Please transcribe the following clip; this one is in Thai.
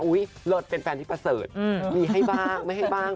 เลิศเป็นแฟนที่ประเสริฐมีให้บ้างไม่ให้บ้าง